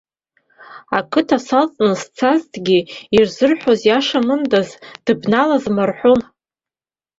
Ақыҭа салҵны сцазҭгьы, ирзырҳәаз иашамындаз дыбналозма рҳәон.